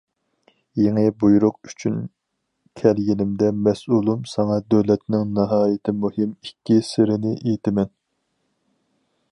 يېڭى بۇيرۇق ئۈچۈن كەلگىنىمدە مەسئۇلۇم، ساڭا دۆلەتنىڭ ناھايىتى مۇھىم ئىككى سىرىنى ئېيتىمەن.